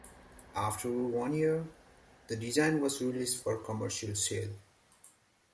After one year, the design was released for commercial sale.